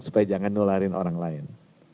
supaya jangan nularin orang lain